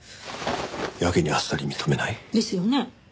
やけにあっさり認めない？ですよね。